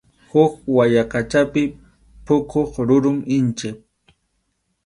Huk wayaqachapi puquq rurum inchik.